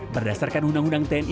berdasarkan undang undang tni